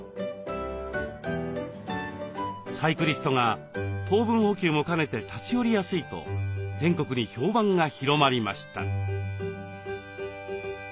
サイクリストが糖分補給も兼ねて立ち寄りやすいと全国に評判が広まりました。